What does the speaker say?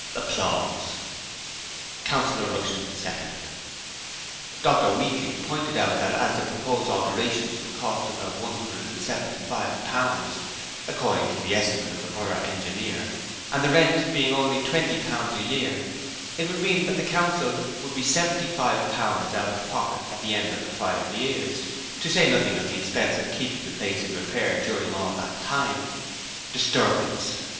Councillor Rushton seconded. Dr Weakling pointed out that as the proposed alterations would cost about £175 according to the estimate of the Borough Engineer and, the rent being only £20 a year, it would mean that the Council would be £75 out of pocket at the end of the five years; to say nothing of the expense of keeping the place in repair during all that time. (Disturbance.)